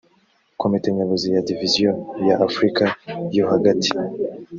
komite nyobozi ya diviziyo ya afurika yo hagati